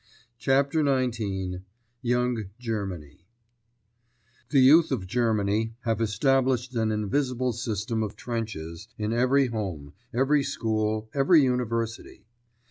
CHAPTER XIX—YOUNG GERMANY The youth of Germany have established an invisible system of trenches in every home, every school, every university.